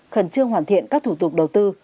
khẩn trương hoàn thiện các thủ tục đầu tư